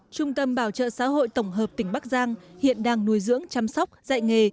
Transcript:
trung tâm bảo trợ xã hội tổng hợp tỉnh bắc giang hiện đang nuôi dưỡng chăm sóc dạy nghề